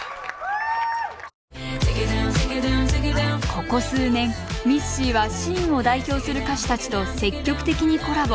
ここ数年ミッシーはシーンを代表する歌手たちと積極的にコラボ。